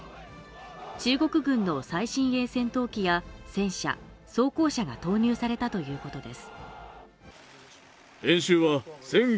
中国軍の最新鋭戦闘機や戦車装甲車が投入されたということです